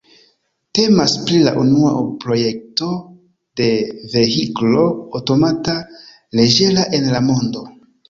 Temas pri la unua projekto de vehiklo aŭtomata leĝera en la mondo.